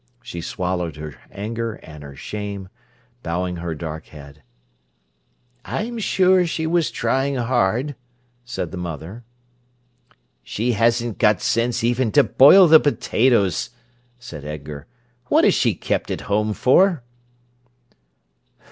She swallowed her anger and her shame, bowing her dark head. "I'm sure she was trying hard," said the mother. "She hasn't got sense even to boil the potatoes," said Edgar. "What is she kept at home for?"